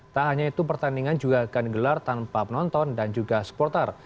tak hanya itu pertandingan juga akan digelar tanpa penonton dan juga supporter